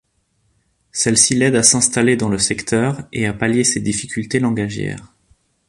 Celle-ci l'aide à s'installer dans le secteur et à pallier ses difficultés langagières.